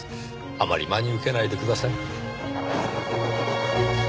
あまり真に受けないでください。